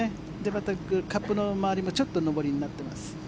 またカップの周りもちょっと上りになってます。